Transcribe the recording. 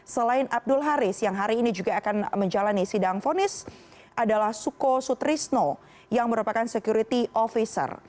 selain abdul haris yang hari ini juga akan menjalani sidang fonis adalah suko sutrisno yang merupakan security officer